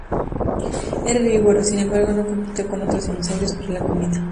Era herbívoro, sin embargo, no compitió con otros dinosaurios para la comida.